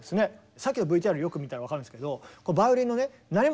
さっきのＶＴＲよく見たら分かるんですけどっていうバイオリンの調弦自体を。